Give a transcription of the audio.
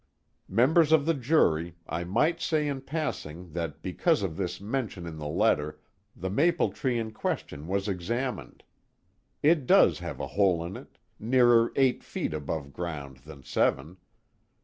Members of the jury, I might say in passing that because of this mention in the letter, the maple tree in question was examined. It does have a hole in it, nearer eight feet above ground than seven.